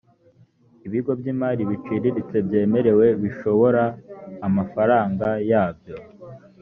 ibigo by’imari biciriritse byemerewe bishobora amafaranga yabo